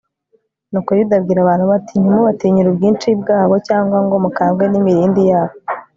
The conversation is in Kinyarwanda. nuko yuda abwira abantu be ati ntimubatinyire ubwinshi bwabo cyangwa ngo mukangwe n'imirindi yabo